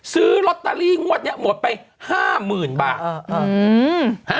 ซื้อลอตเตอรี่งวดนี้หมดไป๕๐๐๐บาท